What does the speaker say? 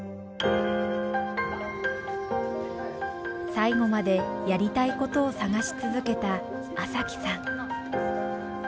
最後までやりたいことを探し続けた麻貴さん。